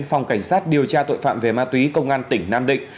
phòng cảnh sát điều tra tội phạm về ma túy công an tỉnh nam định